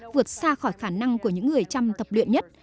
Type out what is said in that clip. vượt xa khỏi khả năng của những người chăm tập luyện nhất